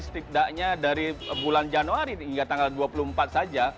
setidaknya dari bulan januari hingga tanggal dua puluh empat saja